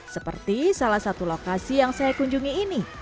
seperti salah satu lokasi yang saya kunjungi ini